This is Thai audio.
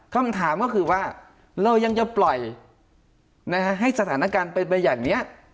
คำถามก็คือว่าเรายังจะปล่อยให้สถานการณ์เป็นไปอย่างนี้